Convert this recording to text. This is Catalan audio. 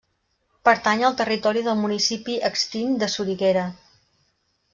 Pertany al territori del municipi extint de Soriguera.